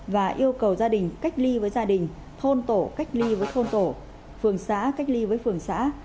và yêu cầu gia đình cách ly với gia đình thôn tổ cách ly với thôn tổ phường xã cách ly với phường xã